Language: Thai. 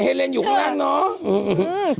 เฮเลนอยู่ก่อนล่างเนาะ